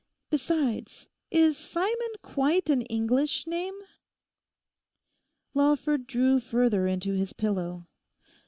Besides ...is Simon quite an English name?' Lawford drew further into his pillow.